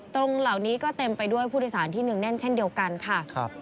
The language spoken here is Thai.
ตรงเหล่านี้ก็เต็มไปด้วยผู้โดยสารที่เนื่องแน่นเช่นเดียวกันค่ะ